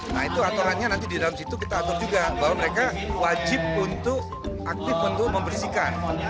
nah itu aturannya nanti di dalam situ kita atur juga bahwa mereka wajib untuk aktif untuk membersihkan